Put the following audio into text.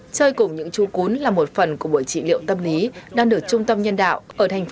chơi cùng những chú cún là một phần của buổi trị liệu tâm lý đang được trung tâm nhân đạo ở thành